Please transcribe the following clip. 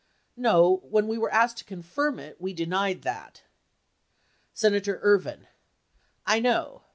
No, when we were asked to confirm it we denied that. Senator Ervin. I know.